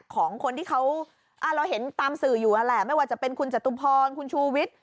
ของคนที่เขาเราเห็นตามสื่ออยู่นั่นแหละไม่ว่าจะเป็นคุณจตุพรคุณชูวิทย์